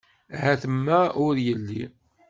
Ahat ma ur yelli.